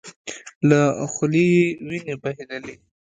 له خولې يې وينې بهيدلې.